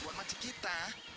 buat mancing kita